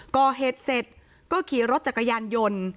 ก่อเหตุเสร็จก็ขี่รถจักรยานยนต์